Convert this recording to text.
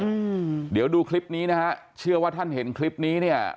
อืมเดี๋ยวดูคลิปนี้นะฮะเชื่อว่าท่านเห็นคลิปนี้เนี่ย